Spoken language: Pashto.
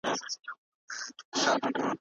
ښځه د سرپرست په مړينه بې سرپرسته کيږي.